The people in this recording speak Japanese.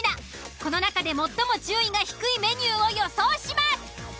この中で最も順位が低いメニューを予想します。